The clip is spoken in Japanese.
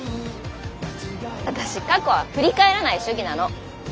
私過去は振り返らない主義なの。